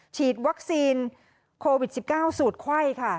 ฉีดวัคซีนโควิด๑๙สูตรไข้ค่ะ